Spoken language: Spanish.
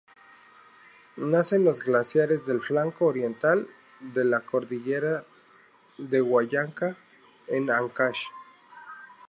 Nace en los glaciares del flanco oriental de la Cordillera de Huallanca en Ancash.